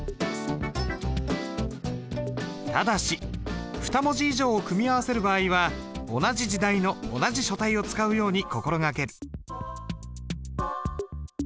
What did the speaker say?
ただし２文字以上を組み合わせる場合は同じ時代の同じ書体を使うように心がける。